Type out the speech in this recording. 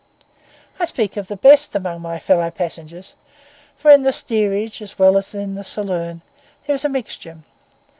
I speak of the best among my fellow passengers; for in the steerage, as well as in the saloon, there is a mixture.